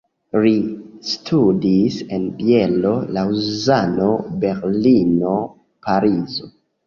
Li studis en Bielo, Laŭzano, Berlino, Parizo.